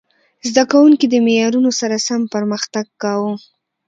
زده کوونکي د معیارونو سره سم پرمختګ کاوه.